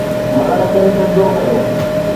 ملائڪن سجدو ڪيو